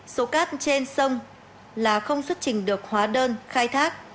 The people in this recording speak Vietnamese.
số cát trên sông là không xuất trình được hóa đơn khai thác